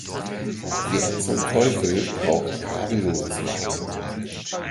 Wer zum Teufel braucht kabelloses Laden?